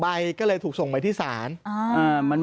ใบก็เลยถูกส่งไปที่ศาล